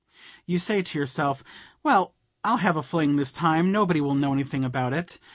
You say to yourself, 'Well, I'll have a fling this time; nobody will know anything about it.'